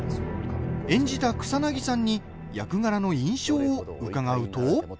演じた草なぎさんに役柄の印象を伺うと。